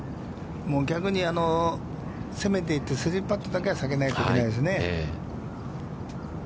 逆に攻めていって、３パットだけは避けないといけないですね。